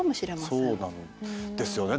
そうなんですね